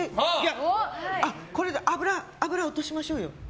あ、これで脂落としましょうよ。